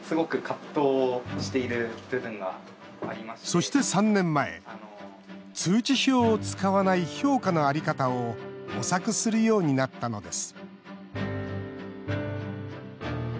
そして、３年前通知表を使わない評価の在り方を模索するようになったのです